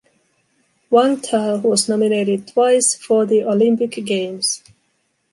Wang Tao was nominated twice for the Olympic Games.